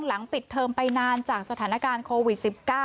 หลังปิดเทอมไปนานจากสถานการณ์โควิด๑๙